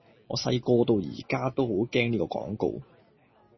我細個到而家都好驚呢個廣告